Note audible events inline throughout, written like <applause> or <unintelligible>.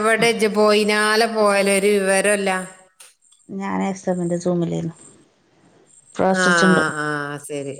ഇവിടെ ഇജ്ജ് പോയിനാലെ പോയാല് ഒരു വിവരോല്ല ഞാൻ എസ് എമിൻ്റെ സൂമിലേരുന്നു. ആഹ് ആഹ് സെരി.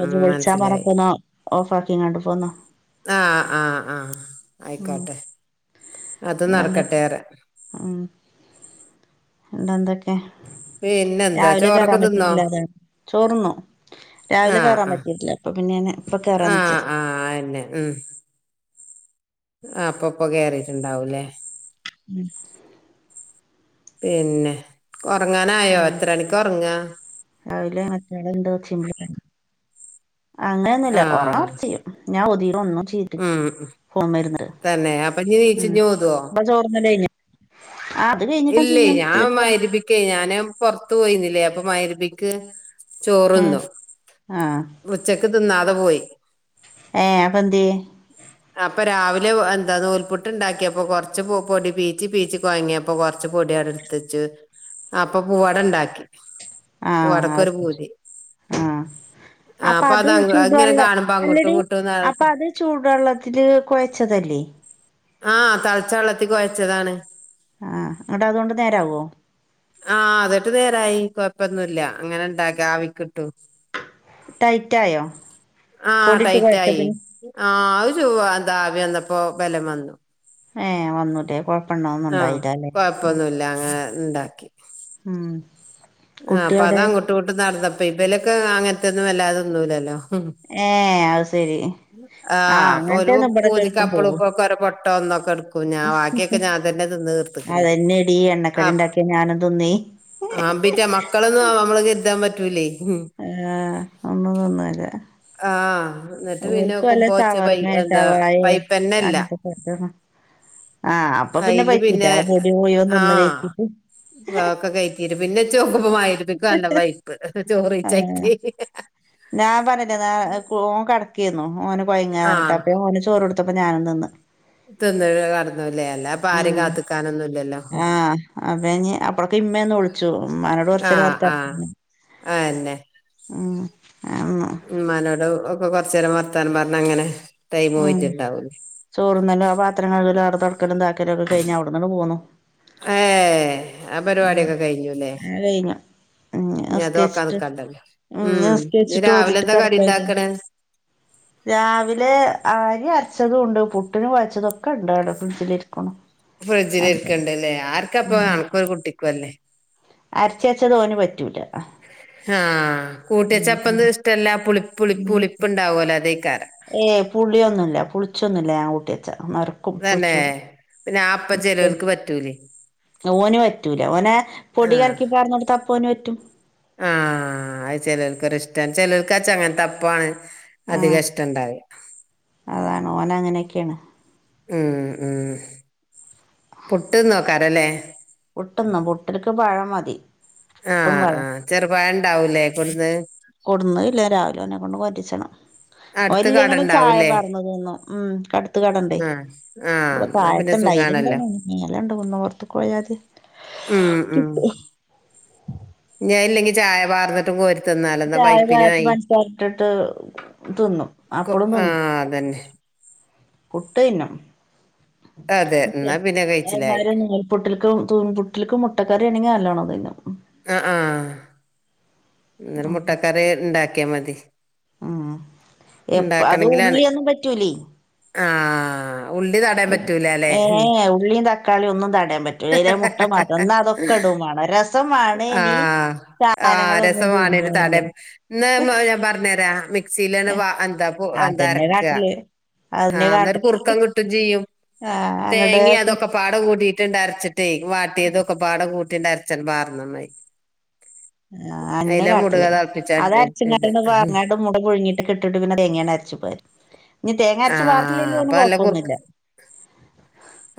അത് വിളിച്ചാ പറഞ്ഞപ്പിന്ന ഓഫ് ആക്കിയിങ്ങാട്ട് പോന്നോ ആഹ് ആഹ് ആഹ് ഉം ആയിക്കോട്ടെ അത് നടക്കട്ടേറെ പിന്നെന്തൊക്കെ? പിന്നെന്താ രാവിലെ ചോറൊക്കെ കേറാൻ പറ്റിയ തിന്നോ പിള്ളേരാണ് ചോറുന്നോ ആ രാവിലെ കെയറാൻ ആ പറ്റിട്ടില്ല അപ്പൊ പിന്നെ ഞാന് ഇപ്പൊ ആ കേറാന്ന് വിചാരിച്ച്. ആഹ് അപ്പൊപ്പ കേറീട്ടിണ്ടാവൂല്ലേ? ഉം പിന്നെ ഒറങ്ങാനായോ ഉം എത്രണിക്ക ഒറങ്ങാ? രാവിലെ മറ്റോള് എന്തോ ഒച്ചും വിളിയും ആണ് അങ്ങനൊന്നുല്ല ആ ഒറങ്ങാൻ കുറച്ച് കഴിയും ചെയ്യും ഞാൻ ഓതി ഒന്നും ശരി ഉം ഉം. ഫോൺ വര്ണ്ട് തന്നെ അപ്പൊ ഇനി ഉം നീച്ചിഞ്ഞ് ഓതുവോ ഇങ്ങള് ചോറ് തിന്നല് കഴിഞ്ഞോ? ആ അത് കഴിഞ്ഞിട്ട് ഇല്ലേ ചെയ്യും ഞാൻ ചെയ്തിട്ടില്ല മഗ്‌രിബിക്കേയ് ഞാന് പുറത്തു പോയിന്നില്ലേ അപ്പൊ മഗ്‌രിബിക്ക് ഏഹ് ആഹ് ഉച്ചക്ക് തിന്നാതെ പോയി ഏഹ് അപ്പെന്തിയെ അപ്പൊ രാവിലെ എന്താന നുൽപുട്ട് ഉണ്ടാക്കിയ അപ്പോ കൊറച്ച് പൊടി പീച്ചി പീച്ചി കോഴങ്ങിയപ്പോ കൊറച്ച് പൊ ടി അടുത്ത് വെച്ച് അപ്പൊ പൂവാട ഇണ്ടാക്കി ആഹ് അത് ആഹ് ആ അപ്പൊ അത് ഇങ്ങനെ ചൂടോള്ള കാണുമ്പോ അങ്ങോട്ടും അല്ലടി ഇങ്ങോട്ടും അപ്പൊ അത് ചൂടോള്ള ത്തില് കുയച്ചതല്ലേ ആഹ് തളച്ച വെള്ളത്തിൽ കുയച്ചതാണ് ആഹ് എന്നിട്ട് അതുകൊണ്ട് നേരാവോ ആഹ് അത്ട്ട് നേരായി കൊഴപ്പൊന്നുല്ല അങ്ങനെണ്ടാക്ക ആവിക്കിട്ടു ടൈറ്റായോ ആഹ് ടൈറ്റായി ആഹ് ചുഹ എന്താ ആവി വന്നപ്പോ ബലം വന്നു ഏഹ് വന്നൂലെ കൊഴ് ആഹ് കൊഴപ്പൊന്നുല്ല അങ്ങനെ ഇണ്ടാക്കി ഉം ആ കുട്ടിയവിടെ അപ്പം അങ്ങട്ടു ഇങ്ങട്ടും നട്ന്നപ്പെ ഇബലൊക്കെ അങ്ങൻത്തൊന്നും വല്ലാതെ തിന്നൂലല്ലോ ഏഹ് അഹ് സരി ആഹ് അപ്പൊ ഒരു പൂതിക്ക് അപ്പളും പോകും ഇപ്പളോക്കൊ ഓരോ പൊട്ടോക്കെ ഒന്നൊക്കെട്ക്കും ഞാൻ ബാക്കിയൊക്കെ ഞാൻ തന്നെ തിന്ന് തീർത്തിക്കണത് അതെന്നെടി എണ്ണക്കടി ഇണ്ടാക്കിയ ഞാനും തിന്നേ ആമ്പിറ്റാ മക്കളൊന്നും ഞ മ്മള് കര്താൻ പറ്റൂലേ ആഹ് ഒന്നും തിന്നൂല്ല. ആ എന്നിട്ട് പിന്നെ ഓൽക്ക് വല്ല നോക്കുമ്പോ ഇച്ച് പൈ ഷവർമെ എന്താ ഷവായെ പൈപ്പന്നല്ല അങ്ങൻത്തൊക്കെ കിട്ടണം. അഹ് അയ്ല് പിന്നെ ആ തിന്ന് കഴിച്ചിട്ട് വാക്ക കേറ്റിയരും. പിന്നെ ച്ചോ <unintelligible> <unintelligible> ചോറെ ഏഹ് ചക്കി ഞാൻ പർഞ്ഞില്ലേ നാ ഓൻ കെട്ക്കേന്നു ഓന് കൊയങ്ങ ആ ർഞ്ഞിട്ട് അപ്പഞ ഓന് ചോറൊട് ത്തപ്പം ഞാനും തിന്ന് തിന്ന്ട്ട് കട്ന്നുലേ അല്ല പ്പ ആരിം ഉം കാത്ത്ക്കാനൊന്നുല്ലല്ലോ ആഹ് അപ്പ നാഞ് അപ്പഴൊക്കെ ഇമ്മേ ന്ന് വ്ൾച്ചു മ്മാനോട് കോർച്ചേരം ആഹ് ആഹ് വർത്താനം ഉം ആന്ന് മ്മാനോടും ഒക്കെ കൊർച്ചേരം വർത്താനം പർഞ്ഞങ്ങനെ ഉം ചോറ്ന്നലും ആ പാത്രംകഴുകലും ആടെ തൊട്ക്കലുംതാക്കലൊക്കെ കൈഞ്ഞവ്ട്ന്നാണ്ട് പോന്നു ഏ ആ ഉം പരിപാട്യോക്കെ കഴിഞ്ഞുലേ അത് കഴിഞ്ഞു ഉം ഞ്ഞതോക്കാ നിസ്കരിച്ചിട്ട് നിക്കണ്ടല്ലോ ഉം ഞ് നിസ്കരിച്ചിട്ട് ഓതീട്ട് രാവിലെന്താ കടി കെടക്കായിരുന്നു ണ്ടാക്ക്ണ് രാവിലെ ആര്യര്ച്ചതും ണ്ട് പുട്ടിന് കൊഴച്ചതൊക്കെ ണ്ട് ആടെ ഫ്രിഡ്ജിലിര്ക്കുണു ഫ്രിഡ്ജിലിർക്ക്ണ്ട്ലേ ആർക്കപ്പൊ അൻക്കൊ രു കുട്ടിക്കു അല്ലേ അര്ച്ചെച്ചത് ഓന് പറ്റൂല ആഹ് കൂട്ട്യച്ചപ്പന്നും ഇഷ്ടല്ല പുളി പുളി പുളിപ്പ് ണ്ടാവോലോ അതെയ് ഏ പുള്യോന്നുല്ല പുൾച്ചൊന്നുല്ല ഞാൻ കൂട്ട്യ നർക്കും തന്നെ പുള്ച്ചൂല പിന്നെ അപ്പം ചെലോൽക്ക് പറ്റൂലേ ഓന് പറ്റൂല ഓനെ പൊടി ആഹ് കൽക്കിപ്പാന്നൊട്ത്താ അപ്പോന റ്റും ആഹ് അഹ് ചെലോൽക്കൊരിഷ്ട്ടം ചെലോൽക്ക്ച്ച ങ്ങൻത്തപ്പാണ് അധിക ആഹ് ഷ്ടണ്ടാവ ക്കേണ് ഉം ഉം പുട്ട് ന്നോക്കാരല്ലേ പുട്ട്ന്നും പുട്ട്ൽക്ക് പഴം മതി ആ പുട്ടും ആ ചെറുപയം ണ്ടാവുലേ കൊട്ന്നേ കൊട്ന്നേല്ല രാവിലെഓനെ കൊണ്ട് മാറ്റിച്ചണം ഓൻ അടുത്ത് ല്ലെങ്കിലും ചായ കടണ്ടാവൂലേ പാർന്ന്തിന്നും ഉം കട്ത്ത് കടണ്ടേ ആഹ് ആഹ് വടെ ന്നാ പിന്നെ തായതെന്നെ സുഖാണല്ലോ <unintelligible> <unintelligible> പൊർത്ത് ക്കോയ തി കിട്ടും ഞാൻ ഇല്ലെങ്കി ചായ പാർന്ന്ട്ടും കോരി ചായ ലേസം പൻസാര ട്ട് ട്ട് തിന്നും കൊ അപ്പളും ത് ന്നും ആഹ് അതന്നെ പുട്ട് തിന്നും അതെ ന്നാ പിന്നെ കഴിച്ചിലായി അഹേമാരി നൂൽപ്പുട്ടിൽക്കും തൂൽപുട്ടിൽക്കും മുട്ടക്കറിയാണെങ്കി നല്ലോണം തൈഞ്ഞോ ആ ആഹ് ങ്ങനെ മുട്ടക്കറി ണ്ടാക്കിയാ മതി ഉം എപ്പ അതുള്ളിയൊന്നും പറ്റൂലേ ആആ ഹ് ഉള്ളി താടാൻ പറ്റൂല അല്ലെ ഏ ഉ ഉള്ളിയും തക്കാളിയും ഒന്നും തടയാൻ പറ്റൂല അയിലെ മുട്ട മാത്രം എന്നാ അതൊക്കെ ഇടും വേണം രസം വേണം ആ ഇനി ആ് സാധനങ്ങളൊന്നും രസമാണ് ഒരു തിന്നൂല്ല തടംന്ന് പറഞ്ഞരാ മിക്സിയില ഏ വ എന്താ <inaudible> അതന്നെ അരക്ക കാട്ടല് ആ അതന്നെ അന്നേര് കാട്ടല് കുറുക്കം കിട്ടോ ചെയ്യും ആ <inaudible> തേങ്ങ അങ്ങട്ട് അതൊക്കെ പാട കൂട്ടീട്ട് അരച്ചിട്ടേ വാട്ടിയതൊക്കെ പാട കൂ കുട്ടിന്റെ അരച്ചൻ പാർന്നന്നായി <unintelligible> ആ ന്നെ കാട്ടല് അത് തിളപ്പിച്ചിട്ടിട്ട് അരച്ചങ്ങട <inaudible> മുട്ട പുഴങ്ങിട്ട്ട്ടിട്ട് പിന്നെ തേങ്ങാങ്ങ് അരച്ചു പാ ആ അപ്പൊ ല്ല കുറ കൊഴപ്പൊന്നുല്ല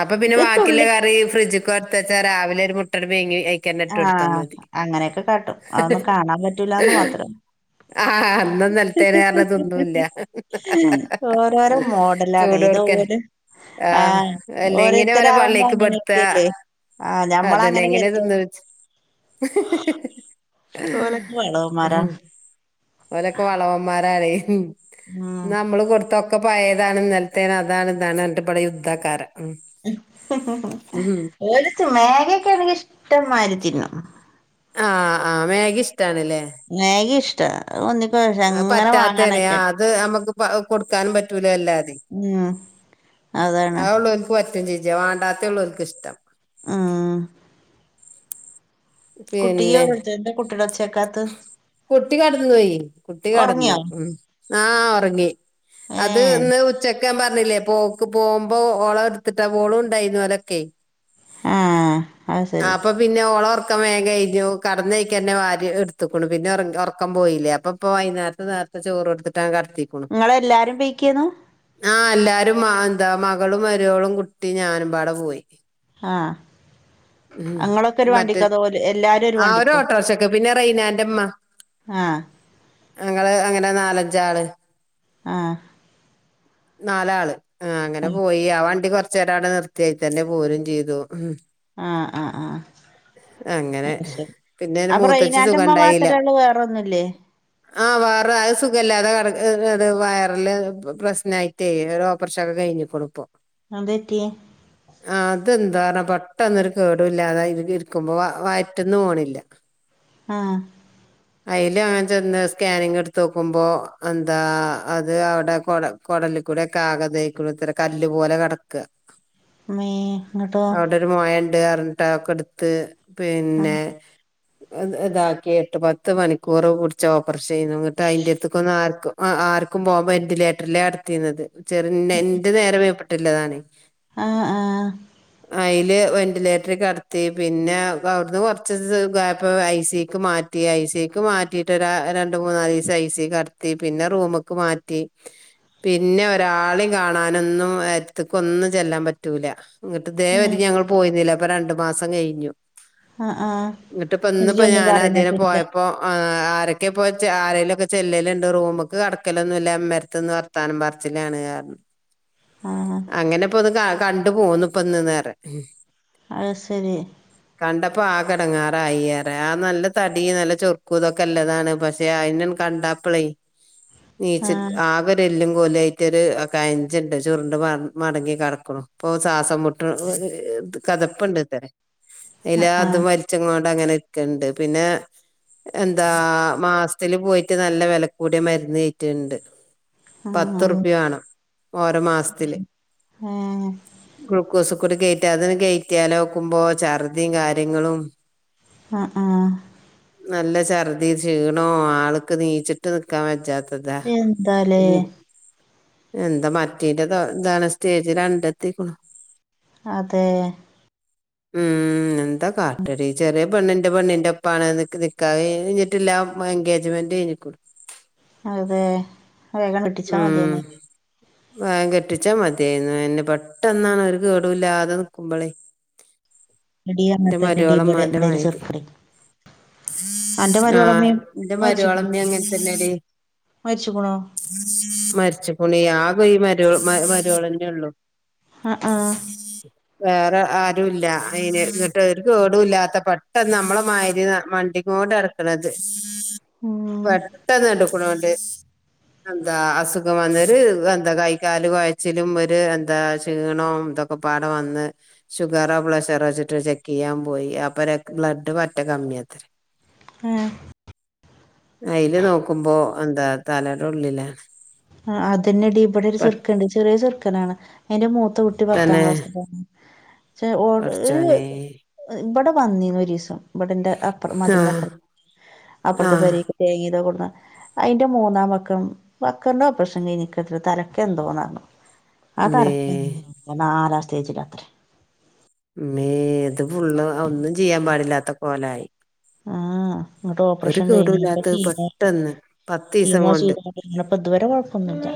അപ്പൊ പിന്നെ ഒരു ബാക്കിള്ള തുള്ളി കറി ഫ്രിഡ്ജ്തൊക്കെ വച്ചാ രാവിലെ ഒരു മുട്ടഒര് പുഴുങ്ങി ആഅങ്ങനെയൊക്കെ കാട്ടും അതൊന്നും കാണാൻപറ്റൂലാന്ന് മാത്രം ആഹ് അന്നും ഹ് നിലത്തേന് ഹ് കാരണം ഹ് തിന്നൂല്ല ഹ് ഓരോരോ മോഡല ഡേ ത് ഓല് ആ ഹ് അല്ല ങ്ങനെ ഓരെ പള്ളിക്ക് പെടുത്താ അങ്ങനെയൊക്കെയല്ലേ ആ അതന്നെ ഞമ്മളങ്ങനെ കരുതും എങ്ങനെതന്ന് വച്ച് ഓലൊക്കെ ഉ വളവന്മാരാണ് <inaudible> ഓലൊക്കെ വളവന്മാരെ ഉം നമ്മള് കൊടുത്തോ ക്കെ പയേതാണ് ഇന്നലെത്തെന്നതാണ്ഇതാണ് അർന്നിട്ട് പടെ യുദ്ധക്കാര ഓൾച് മാഗി യകയാണങ്കിൽ ഇഷ്ടംമായിരി തിന്നും ആ ആ മാഗി ഇഷ് മാഗി ഇഷ്ട അവന്നിട്ട് പറ്റാത്തേണെ അത് അ മുക്ക് പ കൊടുക്കാനും പറ്റ ല്ലാതെ ഉം അതാണ് ആ ഉള്ളവക്ക് പറ്റും ചച്ച വേണ്ടാത്ത ഉള്ളവക്ക് ഇഷ്ടം ആ ഹ് കുട്ടി യോരോട്തര്ത് കുട്ടീടെ ഒച്ച കുട്ടികിടനോയ് കുട്ടി കേ ടന്നു ഉറങ്ങിയോ ഉ ആ ഉറങ്ങി ഏ അത് ന്ന് ഉച്ച ക്കാൻ പറഞ്ഞില്ലേ പോക്ക് പോവു മ്പോ ഓള ടുത്തിട്ടാ വഓളും ഇ ണ്ടായിരുന്നു അലൊക്കെ ആ അത് ശരി അപ്പൊ പിന്നെ ഓള ഒ റക്കം വേഗ കഴഞ്ഞു കടന്ന കഴിക്കന്നെ വാ എടുത്ക്ണ് പിന്നെ ഒ റക്കം പോയില്ലേ അപ്പ ഇപ്പ വൈുന്നേരത്ത് നേരത്തെ ചോറ്ടുത്തിട്ടഅ കടതി നിങ്ങള ല്ലാരും പെയകേനു ആഹ് എല്ലാരും എന്താ മകളുംമാരോളും കുട്ടി ഞാനമ്പാടെ പോയി ആ മ്മ് അങ്ങളൊക്കെ ഒരു മറ്റേ വണ്ടിക്കോ അതോ ഓല് എല്ലാരും ആ ഒരു വണ്ടിക്കോ ഓട്ടോശ പിന്നെ റൈനാന്റെമ്മ ആ ഞങ്ങള് അങ്ങനെ നാലഞ്ചാള് ആ നാലാള് ആ അങ്ങനെ പോയി ആ വണ്ടി കൊറെ <inaudible> നിർത്തിയെ തന്ന പോരും ചെയ്തു ഉം ആ ആ ആ അങ്ങനെ അത് ശരി പിന്നെ ന് അപ്പൊ മൂ തഷ് റെയ്നാന്റെ ഉമ്മ സുഗണ്ടായില്ല മാത്രേ ഉള്ളൂ വേറൊന്നുല്ലേ ആ വേറെ സുഖയില്ലാതെ കടക്ക് അത് ത് വയറില് പ്രശ്നാ യിട്ടേ ഓപ്പർഷൊക്കെ കഴിഞ്ഞു പ്പോ <inaudible> എന്തെറ്റി ദാഹരണം പെട്ടൊന്നെരു കേടു ല്ലാതെ ഇ ഇരിക്കുമ്പോ വ വയറ്റിന്നു പോണില്ല ആ അയില ചെന്ന് സ്കാനിങ് ടുതോ ക്കുമ്പോ എന്താ അത് അവിടെ കൊ ലകല്ലിക്കൂടെ ഇതായ്ക്കൂടേ കല്ല് പോലെ ഇ കല് പോലെ കിടക്കുക <inaudible> <inaudible> ടുത്ത് ആ പിന്നെ ഇതാക്കിട്ട് പത്ത് മണിക്കൂർ പുടിച്ച് ഓപ്പറേഷെന്നു നട്ടയിന്റെടുത്തിക്ക പോ ക്കുമ്പോ വെന്റിലേറ്ററിലഎടതീ രുന്നത് ചെറ് നെ എന്റെ നേരെ മേപ്പൊട്ടില്ലതാണ് ആ ആ അയി ല് വെൻറ്റിലേറ്ററി കിടത്തി പിന്നെ അവിടുന്ന് കുറച്ച് സുഖായ അപ്പ ഐ സിക്ക് മാറ്റി ഐ സിക്ക് മാറ്റിയിട്ട് ര രണ്ട് മൂന്നാല് ദിവസം ഐ സി കടത്തി പിന്നെ റൂമെ ക്ക് മാറ്റി പിന്നെ ഒരാളെയും കാണാനൊന്നും അട്ത്തെക്കൊന്നും ചെല്ലാൻ പറ്റൂല ഇങ്ങിട്ട് ആ ദേവരി ഞങ്ങള് പോയിരുന്നില്ല അപ്പൊ രണ്ടു മാസം കഴിഞ്ഞു ആഹ് ആഹ് ഇട്ടിപ്പ ഇന്നിപ്പ ഞാൻ അതിനെ പോയപ്പോ ഏഹ് ആരൊക്കെ പോയ ആരേലൊക്കെ ചെല്ലലുണ്ട് റൂമൊക്ക് കടക്കലൊന്നും ഇല്ല മ്മറത്തൊന്ന് വർത്താനം പറിച്ചിലാണ് പറഞ്ഞു ആ അങ്ങനെ ഇപ്പൊ ഒന്ന് ക കണ്ടു പോന്നു ഇപ്പൊ ഒന്ന് നേരെ അത് ശരി കണ്ടപ്പ ആകെടങേറ റായി പറെ ആ നല്ല തടി നല്ല ചൊറുക്കു ഇതൊ നീച്ച് ആ ആകൊരെല്ലും പോലായിട്ടൊരു ഏഹ് കഞ്ചിണ്ട് ചുറിണ്ട് മട് മടങ്ങി കിടക്കണു ഇപ്പ ശ്വാസം മുട്ട് കതപ്പുണ്ട് ഇത്ത അയ്ല ആഹ് അത് ആഹ് വലിച്ചങ്ങോണ്ട് അങ്ങനെ ഇക്കണ്ട് പിന്ന എന്താ മാസത്തില് പോയിട്ട് നല്ല വിലകൂടിയ മരുന്ന് കീറ്റണ്ണ്ട് ആഹ് പത്ത്റുപ്യ വേണം ഓരോ മാസത്തില് ഏഹ് ഗ്ലൂക്കോസ് കൂടെ കയറ്റ അതിന് കയറ്റിയാല വെക്കുമ്പോ ഛർദിയും കാര്യങ്ങളും ആഹ് ആഹ് നല്ല ഛർദി ക്ഷീണോ ആൾക്ക് നീച്ചിട്ട് നിക്കാൻ പച്ചാത്ത എന്താലേ എന്താ മറ്റീന്റെ ഇതാ ഇന്താണ് സ്റ്റേജിൽ കണ്ടെത്തിക്കണു അതെ ഉം എന്താ കാറ ട്ടടി ചെറിയ പണ്ണിന്റെ പെണ്ണിന്റെ ഒപ്പാണ് നിക്ക് നിക്കാഹ് കഴഞ്ഞിട്ടില്ല എൻഗേജ്മെന്റ് കഴിഞ്ഞിക്കൊളും അതെ വേഗം കിട്ടിച്ചാ മതിന്നെ വേഗം കെട്ടിച്ചാ മതിയായിരുന്നു എന്നെ പെട്ടെന്നാണ് ഒരു കേടൂല്ലാതെ നക്കുമ്പളെ എടീ എന്റെ അങ്ങൻതന്നെടീ മര്വോള ഇബടെ ഇമ്മാന്റെ ഇബടൊരു മാത്രിയ ചെറുക്കന് അന്റെ ആഹ് മരോളമ്മീം എന്റെ മരിച്ച്ക്ക്ണോ മരുവാളമ്മി അങ്ങനെ തന്നെടി മരിച്ച്ക്ക്ണോ മരിച്ച പുനിയ പോ മരോ മരോളന്നെ ഉള്ളു ആഹ് ആഹ് വേറെ ആരു ഇല്ല അയ്ന് ഒരു കേടുല്ലാത്ത പെട്ടെന്ന് നമ്മളെ മാരി മണ്ടിങ്ങോണ്ട് നടക്കണത് ഉം പെട്ടെന്ന് എടുക്കണോണ്ട് എന്താ അസുഖം വന്നരു എന്താ കൈക്കാല് കുഴച്ചിലും ഒരു എന്താ ഷീണോം ഇതൊക്കെ പാട വന്ന് ഷുഗറോ പ്ലെഷർ വെച്ചിട്ട് ചെയ്യാൻ പോയി അപ്പ രക് ബ്ലഡ് പറ്റ കമ്മിയാത്ര ഏഹ് അതില് നോക്കുമ്പോ എന്താ തലേടെ ഉള്ളിലാ ആഹ് അത്ന്നെ ഇടെ ഇവിടെ ഒരു ചെറുക്കുണ്ട് ചെറിയ ചെറുക്കനാണ് അതിന്റെ മൂ ത്ത് കൂട്ടി പത്താം പെട്ടെന്ന് ക്ലാസ്സിലാണ് ചെ ഓട് പടച്ചോനെ <unintelligible> ഇവിടെ വന്നിന്ന് ഒരു ദിവസം ഇവിടിന്റെ അപ്പറം മതിലന്റെ ആഹ് അപ്പറം അപ്പുറത്തെ ആഹ് പെരെക്ക് തേങ്ങീടാൻ പോണത അതിന്റെ മൂന്നാം പക്കം വക്കർന്റെ ഓപ്രെഷൻ കഴിഞ്ഞിക്ക്ക്ക് തലക്ക് എന്തോന്നാന്ന് മ്മേ അതരക്കക്കെന്നും നോക്കൂല നാലാം സ്റ്റെജിലാ ത്രെ മേ ഇത് ഫുള്ള് ഒന്നും ചെയ്യാൻ പാടില്ലാത്ത കോലായി ആഹ് ഇങ്ങോട്ട് ഒരു ഓപ്പറേഷൻ കഴിഞ്ഞപ്പോ കേടുല്ലാത്തത് കീമോക്ക് പെട്ടെന്ന് പത്തീസം കീമോ കൊണ്ട് ചെയ്തോണ്ടിരുന്നപ്പോ ഇതുവരെ കുഴപ്പൊന്നില്ല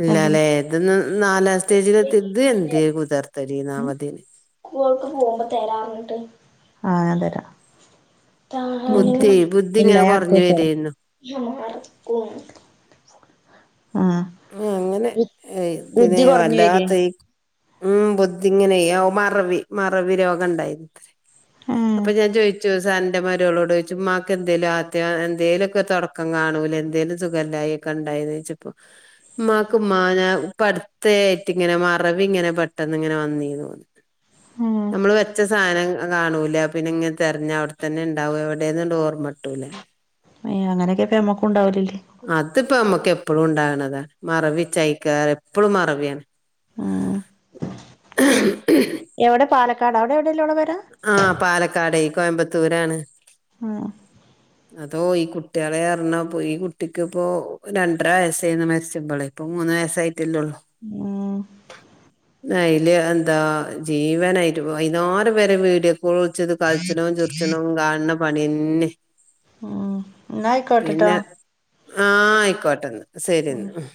ഇല്ലല്ലേ. ഇത് ന നാലാം സ്റ്റേജിലത്തിത് എന്ത് കുതിർത്തല് ന്നാ ഉം <unintelligible> ഓൾക്ക് പോകുമ്പോ തരാർഞ്ഞിട്ട് ആഹ് ഞാൻ തരാം ബുദ്ധി ബുദ്ധി ഇല്ല ഇങ്ങനെ ഞാൻ എടുത്ത് കുറഞ്ഞു വരേന്നു വെച്ചോളാ മറക്കും ആഹ് ആ അങ്ങനെ ഏ ഇതിനെ ബുദ്ധി കൊറഞ്ഞു വരേ വല്ലാത്ത ഈ ഉം ബുദ്ധി ഇങ്ങനെ ഓ മറവി മറവി രോഗം ഇണ്ടായിരുന്നത്രേ. ഏഹ് അപ്പോ ഞാൻ ചോയിച്ചു സൻ ന്റെ മരിയോളോട് ചോയിച്ചു ഉമ്മാക്ക് എന്തേലും അത്യാ എന്തേലൊക്കെ തൊടക്കം കാണൂലെ എന്തേലും സുഖല്ലായി ഒക്കെ ഇണ്ടാ യ്നിയോച്ചപ്പോ ഉമ്മാക്ക് ഉമ്മാനെ ഇപ്പ അടുത്ത ആയിട്ട് ഇങ്ങനെ മറവി ഇങ്ങനെ പെട്ടെന്ന് ഇങ്ങനെ വന്നീര്ന്നുന്ന്. ഏഹ് നമ്മള് വെച്ച സാനം കാണൂല. പിന്നെ ഇങ്ങനെ തെരഞ്ഞ് അവിടത്തന്നെ ഇണ്ടാവും. എവിടെന്ന്ള്ള ഓർമ്മട്ടൂല. അയ്യോ അങ്ങനൊക്കെ ഇപ്പ അമ്മുക്കുണ്ടാവലില്ലേ അതിപ്പോ അമ്മക്ക് എപ്പഴും ഇണ്ടാകണതാ മറവി ചൈക്കാ എപ്പളും മറവിയാണ്. ഉം എവിടെ പാലക്കാട അവിടെ എവിട് ആ പാലക്കാടേ കോയമ്പത്തൂരാണ് ഉം അതോ ഈ കുട്ടിയളെ പറഞ്ഞാ ഇപ്പം ഈ കുട്ടിക്ക് ഇപ്പോ രണ്ടര വയസ്സായിന്ന് മരിച്ചപ്പളെ ഇപ്പം മൂ മൂന്ന് വയസ്സായിട്ടല്ലെള്ളൂ. ഉം അയില് എന്താ ജീവനായിട്ട് വൈന്നാരം വരെ വീടിയോകോൾ വിൾച്ചത് കൾച്ചണോം ചി റിച്ചണോം കാൺണ പണിയെന്നെ. ഇന്നായിക്കോട്ടെട്ടോ ആഹ് ആയിക്കോട്ടെന്നാ സരിയന്നാ ഉം